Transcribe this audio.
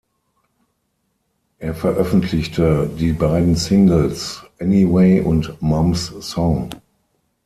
Er veröffentlichte die beiden Singles "Anyway" und "Mom’s Song".